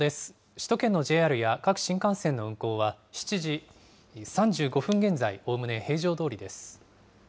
首都圏のＪＲや各新幹線の運行は、７時３５分現在、おおむね平常どおりです。